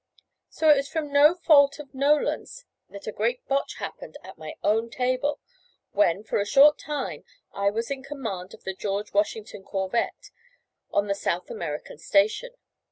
So it was from no fault of Nolan's that a great botch happened at my own table, when, for a short time, I was in command of the George Washington corvette, on the South American station.